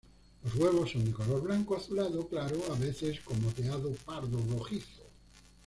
Los huevos son de color blanco azulado claro, a veces con moteado pardo rojizo.